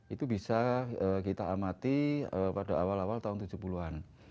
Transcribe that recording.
itu bisa kita amati pada awal awal tahun tujuh puluh an